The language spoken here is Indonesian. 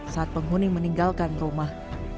saat penghuni meninggalkan rumah